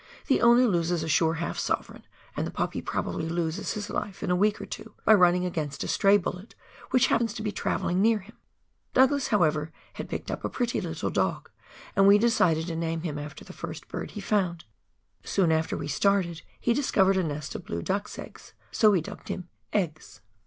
The owner loses a sure half sovereign, and the puppy probably loses his life in a week or two, by running against a stray bullet which happens to be travelling near him ! Douglas, however, had picked up a pretty little dog, and we decided to name him after the first bird he found ; soon after we started he discovered a nest of blue duck's eggs, so we dubbed him "Eggs."